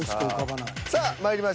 さあまいりましょう。